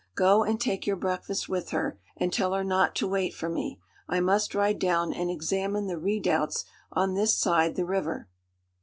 Go and take your breakfast with her, and tell her not to wait for me: I must ride down and examine the redoubts on this side the river."